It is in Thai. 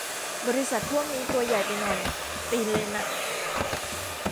บริษัทพวกนี้ตัวใหญ่ไปหน่อย ตีนเลยหนัก